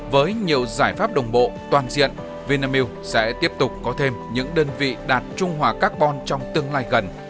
với nhiều giải pháp đồng bộ toàn diện vinamilk sẽ tiếp tục có thêm những đơn vị đạt trung hòa carbon trong tương lai gần